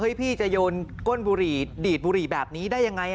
พี่จะโยนก้นบุหรี่ดีดบุหรี่แบบนี้ได้ยังไง